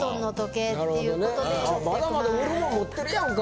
まだまだ売れるもん持ってるやんか。